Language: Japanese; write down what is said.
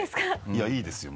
いやいいですよ